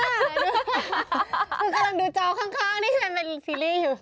คือกำลังดูจอข้างนี่ฉันเป็นซีรีส์อยู่